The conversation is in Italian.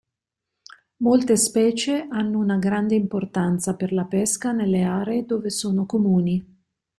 Molte specie hanno una grande importanza per la pesca nelle aree dove sono comuni.